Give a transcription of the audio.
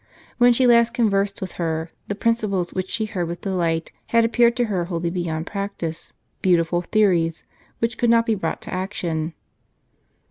When she last con versed with her, the principles which she heard with delight, had appeared to her wholly beyond . practice, beautiful theo ries, which could not be brought to action.